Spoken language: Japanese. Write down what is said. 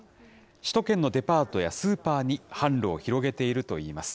首都圏のデパートやスーパーに販路を広げているといいます。